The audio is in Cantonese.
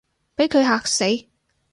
畀佢嚇死